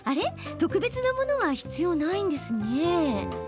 特別なものは必要ないんですね。